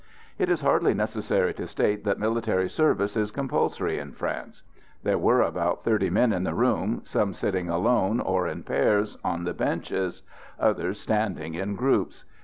It is hardly necessary to state that military service is compulsory in France. There were about thirty men in the room, some sitting alone, or in pairs, on the benches, others standing in groups.